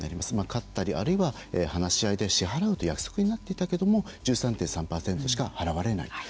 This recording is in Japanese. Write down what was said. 勝ったり、あるいは話し合いで支払うと約束になっていたけれども１３．３％しか払われない。